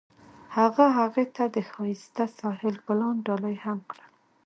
هغه هغې ته د ښایسته ساحل ګلان ډالۍ هم کړل.